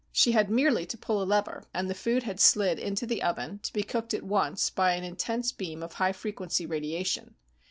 She had merely to pull a lever, and the food had slid into the oven, to be cooked at once by an intense beam of high frequency radiation.